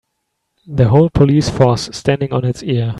The whole police force standing on it's ear.